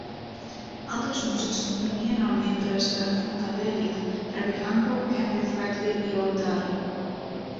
Altres músics comprenien el membres de Funkadelic: Herbie Hancock, Henry Threadgill i Olu Dara.